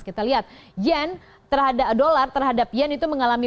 kita lihat yen terhadap dolar terhadap yen itu mengalami